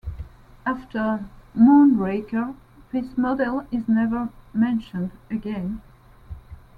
After "Moonraker" this model is never mentioned again.